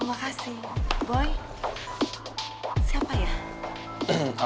oh ada yang mau gue omongin sama lo